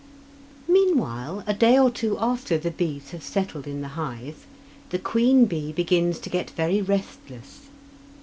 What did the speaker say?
Meanwhile, a day or two after the bees have settled in the hive, the queen bee begins to get very restless.